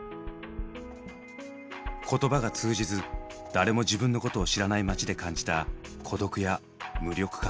言葉が通じず誰も自分のことを知らない街で感じた孤独や無力感。